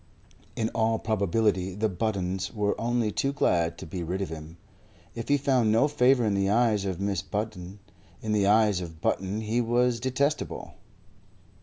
In all probability the Buttons were only too glad to be rid of him. If he found no favour in the eyes of Mrs. Button, in the eyes of Button he was detestable.